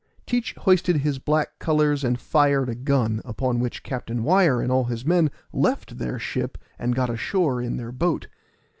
Teach hoisted his black colors and fired a gun, upon which Captain Wyar and all his men left their ship and got ashore in their boat.